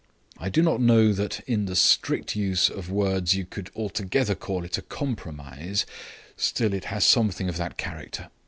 I do not know that in the strict use of words you could altogether call it a compromise, still it has something of that character.